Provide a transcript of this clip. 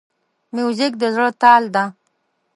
موزیک د زړه تال ده.